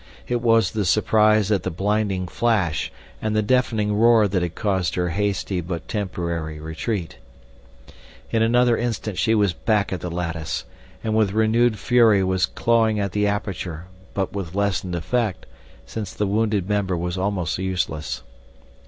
It was the surprise at the blinding flash and the deafening roar that had caused her hasty but temporary retreat. In another instant she was back at the lattice, and with renewed fury was clawing at the aperture, but with lessened effect, since the wounded member was almost useless.